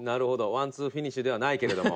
１・２フィニッシュではないけれども。